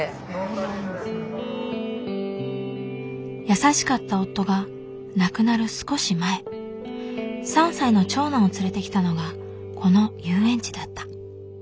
優しかった夫が亡くなる少し前３歳の長男を連れてきたのがこの遊園地だった。